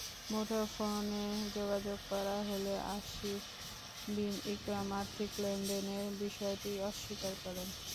মুঠোফোনে যোগাযোগ করা হলে আসিফ বিন ইকরাম আর্থিক লেনদেনের বিষয়টি অস্বীকার করেন।